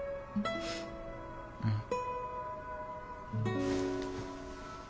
うん。